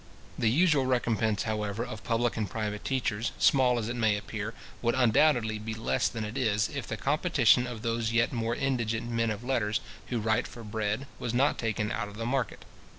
The usual recompence, however, of public and private teachers, small as it may appear, would undoubtedly be less than it is, if the competition of those yet more indigent men of letters, who write for bread, was not taken out of the market.